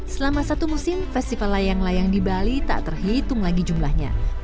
selama satu musim festival layang layang di bali tak terhitung lagi jumlahnya